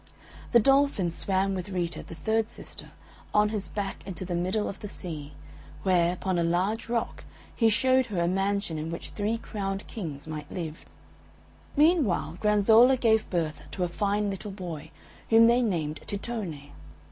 The Dolphin swam with Rita, the third sister, on his back into the middle of the sea, where, upon a large rock, he showed her a mansion in which three crowned Kings might live. Meanwhile Granzolla gave birth to a fine little boy, whom they named Tittone.